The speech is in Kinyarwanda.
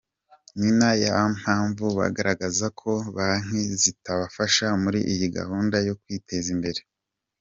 Nina yo mpamvu bagaragaza ko banki zitabafasha muri iyi gahunda yo kwiteza imbere.